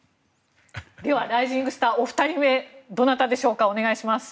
では、ライジングスターお二人目、どなたでしょうか。